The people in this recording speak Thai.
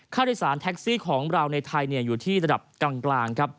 โดยสารแท็กซี่ของเราในไทยอยู่ที่ระดับกลางครับ